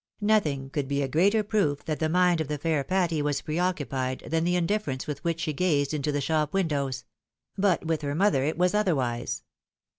Nothing could be a greater proof that the mind of the fair Patty was preoccupied than tlie indifference with which she gazed into the shop windows ; but with her mother it was other wise.